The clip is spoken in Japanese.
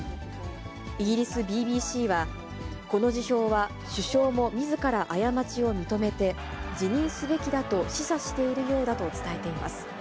イギリスＢＢＣは、この辞表は首相もみずから過ちを認めて、辞任すべきだと示唆しているようだと伝えています。